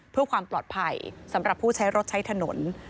เพื่อความปลอดภัยสำหรับผู้ใช้รถใช้ถนน